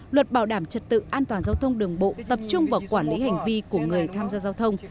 luật bảo đảm trật tự an toàn giao thông đường bộ tập trung vào quản lý hành vi của người tham gia giao thông